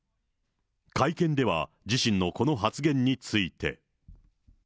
会見では、自身のこの発言について。